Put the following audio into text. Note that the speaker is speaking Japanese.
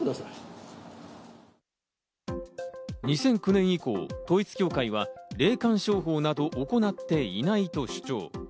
２００９年以降、統一教会は霊感商法など行っていないと主張。